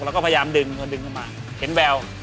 เราก็พยายามดึงเขาดึงเข้ามาเห็นแวว